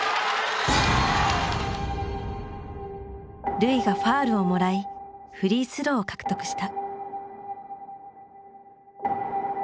瑠唯がファウルをもらいフリースローを獲得した。